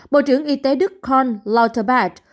bộ trưởng y tế đức karl lauterbach